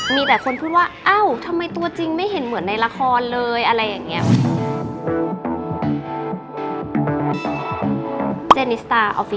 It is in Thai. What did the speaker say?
มีแต่คนพูดว่าเอ้าทำไมตัวจริงไม่เห็นเหมือนในละครเลยอะไรอย่างนี้